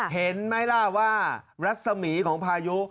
เห็นไหมล่ะว่ารัศมีของพายุ